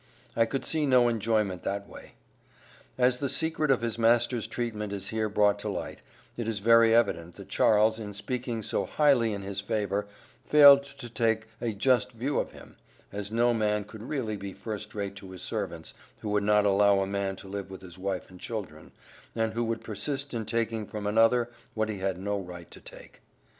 I could see no enjoyment that way." As the secret of his master's treatment is here brought to light, it is very evident that Charles, in speaking so highly in his favor, failed to take a just view of him, as no man could really be first rate to his servants, who would not allow a man to live with his wife and children, and who would persist in taking from another what he had no right to take.